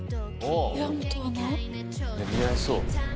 似合いそう。